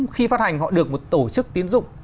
khi phát hành họ được một tổ chức tiến dụng